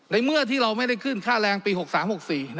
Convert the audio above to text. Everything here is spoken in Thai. เมื่อที่เราไม่ได้ขึ้นค่าแรงปี๖๓๖๔